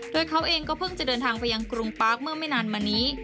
โดยเขาเองก็เพิ่งจะเดินทางไปยังกรุงปาร์คเมื่อไม่นานมานี้